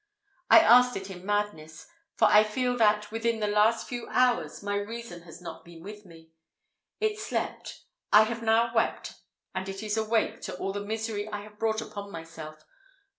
I asked it in madness; for I feel that, within the last few hours, my reason has not been with me. It slept: I have now wept; and it is awake to all the misery I have brought upon myself.